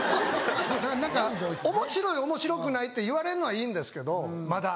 何かおもしろいおもしろくないって言われるのはいいんですけどまだ。